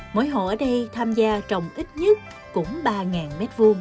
mỗi hộ ở đây tham gia trồng ít nhất cũng ba m hai